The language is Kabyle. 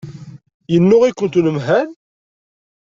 Yennuɣ-ikent unemhal.